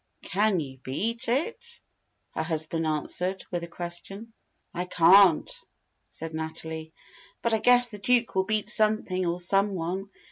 "Can you beat it?" her husband answered with a question. "I can't," said Natalie. "But I guess the Duke will beat something or someone.